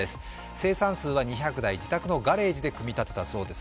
生産数は２００台、自宅のガレージで組み立てたそうです。